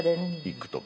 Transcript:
行くとか。